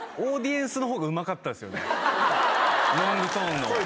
ロングトーンの。